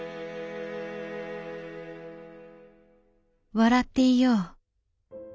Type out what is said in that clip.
「笑っていよう。